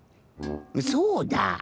そうだ。